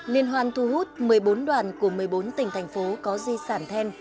liên hoan thu hút một mươi bốn đoàn của một mươi bốn tỉnh thành phố có di sản then